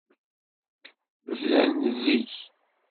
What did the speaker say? Bdan zik.